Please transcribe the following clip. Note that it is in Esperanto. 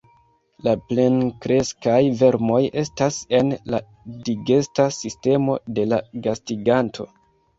La plenkreskaj vermoj estas en la digesta sistemo de la gastiganto.